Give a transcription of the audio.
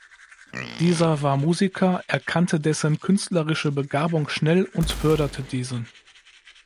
Dieser war Musiker, erkannte dessen künstlerische Begabung schnell und förderte diese.